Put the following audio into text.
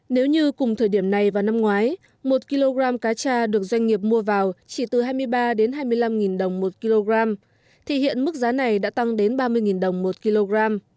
nếu như cùng thời điểm này và năm ngoái một kg cá cha được doanh nghiệp mua vào chỉ từ hai mươi ba hai mươi năm đồng một kg thì hiện mức giá này đã tăng đến ba mươi đồng một kg